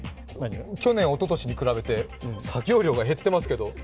去年、おととしに比べて作業量が減ってますけど。